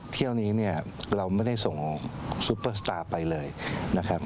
เที่ยวนี้เรามันไม่ได้ส่งซูเปอสตาร์ไปเลยนะครับ